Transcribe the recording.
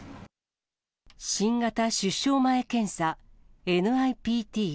新型出生前検査・ＮＩＰＴ。